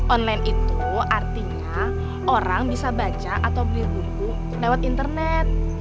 online itu artinya orang bisa baca atau beli buku lewat internet